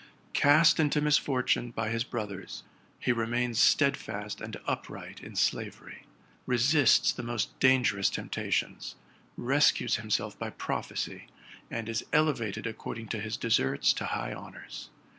Cast into misfortune by his brothers, he remains steadfast and upright in slavery, re sists the most dangerous temptations, rescues himself by prophecy, and is elevated according to his deserts to high honors.